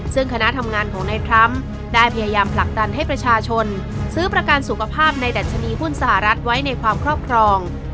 ซึ่งคณะทำงานของนายทรัมป์ได้พยายามผลักดันให้ประชาชนซื้อประกันสุขภาพในดัชนีหุ้นสหรัฐไว้ในความครอบครอง